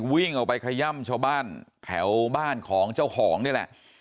วิ่งออกไปขย่ำชาวบ้านแถวบ้านของเจ้าของนี่แหละ